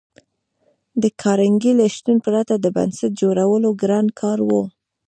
د کارنګي له شتون پرته د بنسټ جوړول ګران کار و